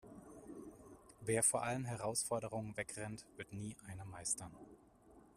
Wer vor allen Herausforderungen wegrennt, wird nie eine meistern.